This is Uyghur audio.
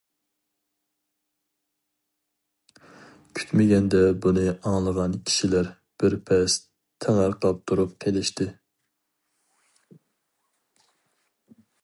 كۈتمىگەندە بۇنى ئاڭلىغان كىشىلەر بىر پەس تېڭىرقاپ تۇرۇپ قېلىشتى.